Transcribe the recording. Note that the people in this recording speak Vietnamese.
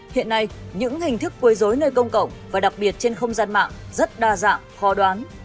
hiện nay những hình thức quấy dối nơi công cộng và đặc biệt trên không gian mạng rất đa dạng khó đoán